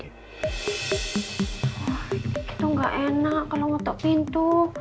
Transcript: itu gak enak kalo mau tok pintu